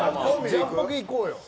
ジャンポケいこうよ。